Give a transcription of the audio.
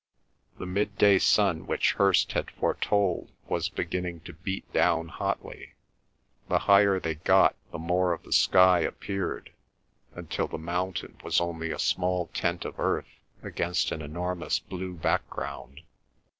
The midday sun which Hirst had foretold was beginning to beat down hotly. The higher they got the more of the sky appeared, until the mountain was only a small tent of earth against an enormous blue background.